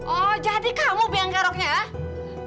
oh jadi kamu biang karoknya ya